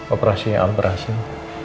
operasinya al berhasil